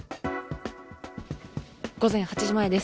午前８時前です。